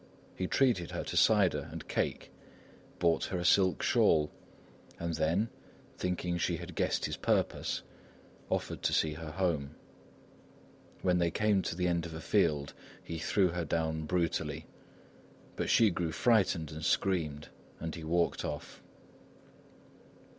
He treated her to cider and cake, bought her a silk shawl, and then, thinking she had guessed his purpose, offered to see her home. When they came to the end of a field he threw her down brutally. But she grew frightened and screamed, and he walked off.